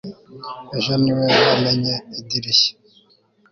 Ejo niwe wamennye idirishya